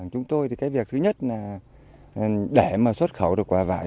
chúng tôi thì cái việc thứ nhất là để mà xuất khẩu được quả vải